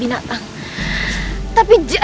tidak ada apa apa